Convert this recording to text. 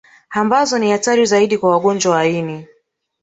Ambazo ni hatari zaidi kwa wagonjwa wa ini